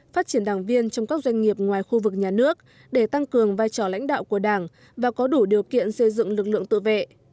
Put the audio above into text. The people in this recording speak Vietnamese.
phát triển đảng viên trong các doanh nghiệp ngoài khu vực nhà nước để tăng cường vai trò lãnh đạo của đảng và có đủ điều kiện xây dựng lực lượng tự vệ